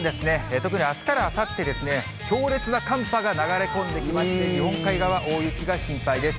特にあすからあさってですね、強烈な寒波が流れ込んできまして、日本海側、大雪が心配です。